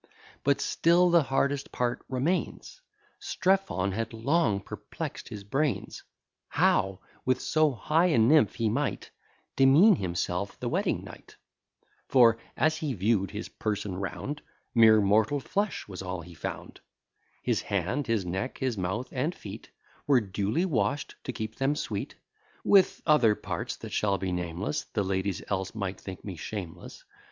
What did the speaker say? But still the hardest part remains: Strephon had long perplex'd his brains, How with so high a nymph he might Demean himself the wedding night: For, as he view'd his person round, Mere mortal flesh was all he found: His hand, his neck, his mouth, and feet, Were duly wash'd, to keep them sweet; With other parts, that shall be nameless, The ladies else might think me shameless.